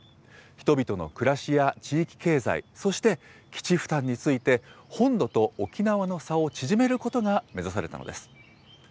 人々の暮らしや地域経済、そして、基地負担について、本土と沖縄の差を縮めることが目指されたのです。